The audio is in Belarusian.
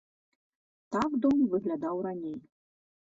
Так дом выглядаў раней.